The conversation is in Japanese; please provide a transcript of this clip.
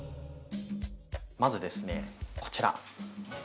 まずですねこちら。